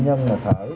hay là thở hlc